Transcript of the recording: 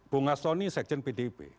bunga stoni sekjen pdip